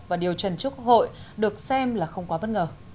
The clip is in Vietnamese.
và điều trần chức hội được xem là không quá vấn ngờ